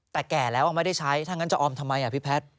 แต่แก่แล้วไม่ได้ใช้ถ้างั้นจะออมทำไมพี่แพทย์